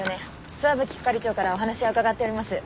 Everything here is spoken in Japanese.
石蕗係長からお話は伺っております。